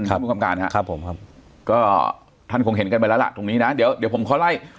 ผู้คำการครับครับผมครับก็ท่านคงเห็นกันไปแล้วล่ะตรงนี้นะเดี๋ยวเดี๋ยวผมขอไล่